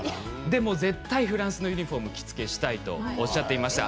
絶対フランスのユニフォームを着付けしたいとおっしゃっていました。